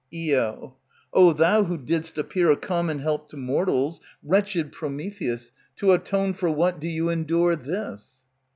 Io. O thou who didst appear a common help to mortals, Wretched Prometheus, to atone for what do you endure this?